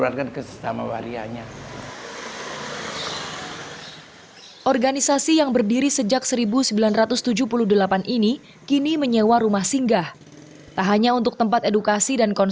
bahasanya oda itu harus dikasihani harus diperdayakan tidak boleh dikucilkan